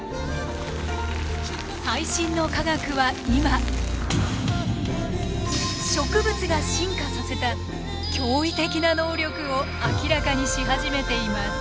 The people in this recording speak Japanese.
最新の科学は今植物が進化させた驚異的な能力を明らかにし始めています。